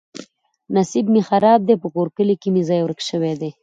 نصیب مې خراب دی. په کور کلي کې مې ځای ورک شوی دی.